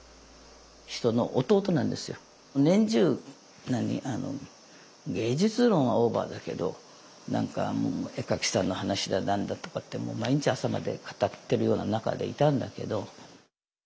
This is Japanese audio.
年中あの芸術論はオーバーだけど何かもう絵描きさんの話だなんだとかってもう毎日朝まで語ってるような仲でいたんだけど。